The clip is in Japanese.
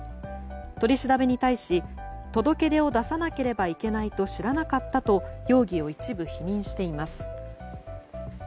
取り調べに対し届け出を出さなければいけないと知らなかったと容疑を一部否認しています。